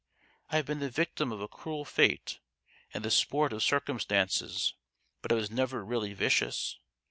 I have been the victim of a cruel fate and the sport of circumstances, but I was never really vicious.